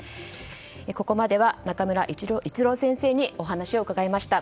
ここまでは中村逸郎先生にお話を伺いました。